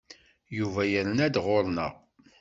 Yuba yerna-d ɣur-neɣ.